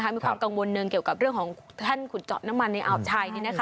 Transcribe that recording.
มีความกังวลหนึ่งเกี่ยวกับเรื่องของท่านขุดเจาะน้ำมันในอ่าวไทย